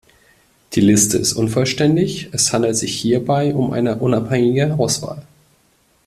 Die Liste ist unvollständig, es handelt sich hierbei um eine unabhängige Auswahl.